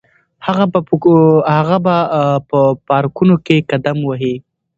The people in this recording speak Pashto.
هغه به په پارکونو کې قدم وهي.